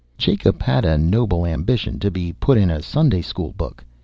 Jacob had a noble ambition to be put in a Sunday school book.